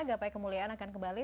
gapai kemuliaan akan kembali